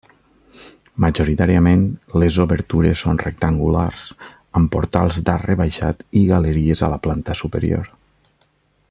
Majoritàriament, les obertures són rectangulars, amb portals d'arc rebaixat i galeries a la planta superior.